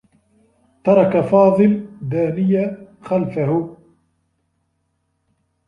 ترك فاضل دانية خلفه.